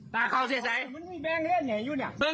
ตาเขาเศษใส